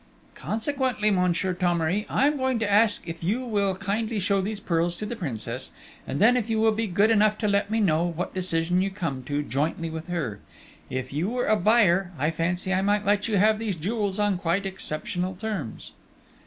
"Consequently, Monsieur Thomery, I am going to ask you if you will kindly show these pearls to the Princess; and then if you will be good enough to let me know what decision you come to, jointly with her.... If you were a buyer, I fancy I might let you have these jewels on quite exceptional terms."